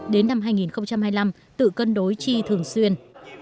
đến năm hai nghìn hai mươi năm tự cân đối chi thường xuyên